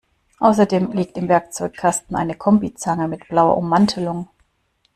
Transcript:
Außerdem liegt im Werkzeugkasten eine Kombizange mit blauer Ummantelung.